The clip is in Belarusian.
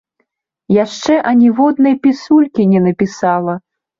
Яшчэ аніводнай пісулькі не напісала.